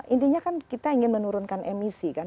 intinya kan kita ingin menurunkan emisi kan